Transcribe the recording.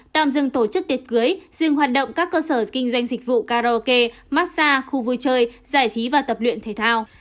tạm dừng tổ chức tiệc cưới dừng hoạt động các cơ sở kinh doanh dịch vụ karaoke massage khu vui chơi giải trí và tập luyện thể thao